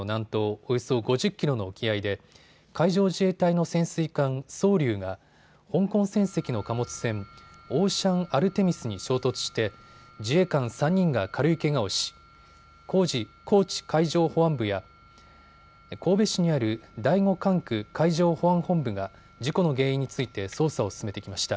およそ５０キロの沖合で海上自衛隊の潜水艦、そうりゅうが香港船籍の貨物船オーシャンアルテミスに衝突して自衛官３人が軽いけがをし高知海上保安部や神戸市にある第５管区海上保安本部が事故の原因について捜査を進めてきました。